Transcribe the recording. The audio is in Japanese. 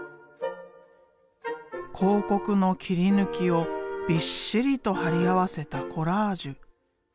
広告の切り抜きをびっしりと貼り合わせたコラージュ。